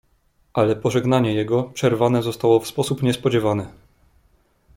"Ale pożegnanie jego przerwane zostało w sposób niespodziewany."